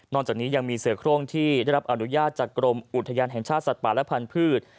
จากนี้ยังมีเสือโครงที่ได้รับอนุญาตจากกรมอุทยานแห่งชาติสัตว์ป่าและพันธุ์